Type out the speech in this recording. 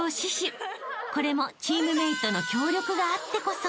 ［これもチームメートの協力があってこそ］